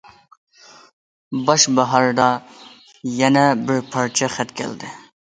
باش باھاردا يەنە بىر پارچە خەت كەلدى.